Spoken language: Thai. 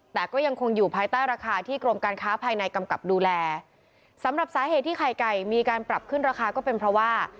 แต่ก็ยังคงอยู่ภายใต้ราคาที่กรมการค้าภายในกำกับดูแลสำหรับสาเหตุที่ไข่ไก่มีการปรับขึ้นราคาก็เป็นเพราะว่า